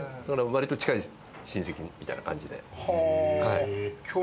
割と近い親戚みたいな感じで。